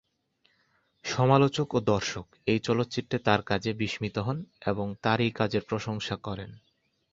সমালোচক ও দর্শক এই চলচ্চিত্রে তার কাজে বিস্মিত হন এবং তার এই কাজের প্রশংসা করেন।